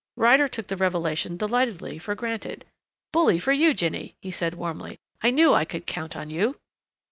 Ryder took the revelation delightedly for granted. "Bully for you, Jinny," he said warmly. "I knew I could count on you."